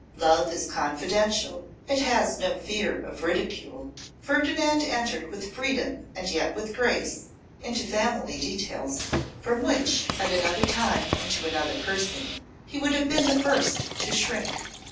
Love is confidential; it has no fear of ridicule. Ferdinand entered with freedom and yet with grace into family details, from which, at another time and to another person, he would have been the first to shrink.